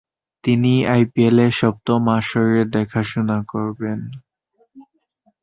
তিনি আইপিএলের সপ্তম আসরের দেখাশোনা করবেন।